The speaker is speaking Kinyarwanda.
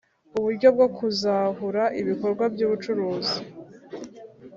uburyo bwo kuzahura ibikorwa by ubucuruzi